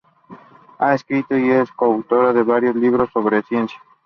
Ha escrito y es coautora de varios libros sobre ciencia.